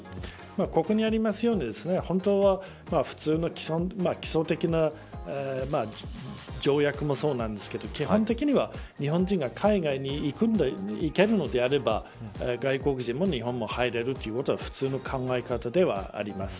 ここにありますように本当は普通の基礎的な条約もそうなんですけど基本的には日本人が海外に行けるのであれば外国人も日本に入れるということは普通の考え方ではあります。